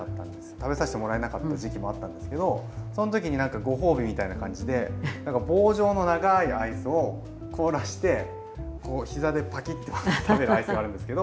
食べさせてもらえなかった時期もあったんですけどその時になんかご褒美みたいな感じで棒状の長いアイスを凍らして膝でパキッて割って食べるアイスがあるんですけど。